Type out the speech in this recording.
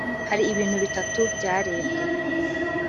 Hari ibintu bitatu byarebwe